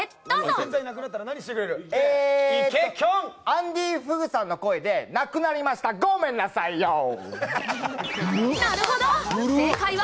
アンディ・フグさんの声でなくなりました、ごめんなさいよー！